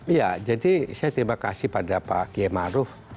iya jadi saya terima kasih pada pak kiai maruf